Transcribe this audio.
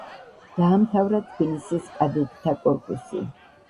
დაამთავრა თბილისის კადეტთა კორპუსი.